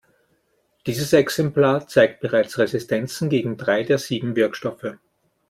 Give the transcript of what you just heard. Dieses Exemplar zeigt bereits Resistenzen gegen drei der sieben Wirkstoffe.